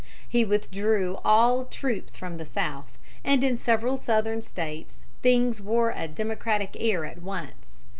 He withdrew all troops from the South, and in several Southern States things wore a Democratic air at once.